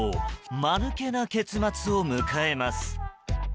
間抜けな結末を迎えます。